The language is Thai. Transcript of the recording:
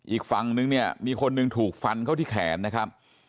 อีกฝั่งนึงเนี่ยมีคนหนึ่งถูกฟันเข้าที่แขนนะครับ